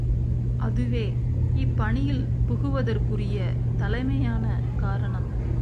அதுவே இப்பணியில் புகுவதற்குரிய தலைமையான காரணம்.